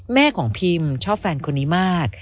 แม่ของพิมชอบแฟนคนนี้มาก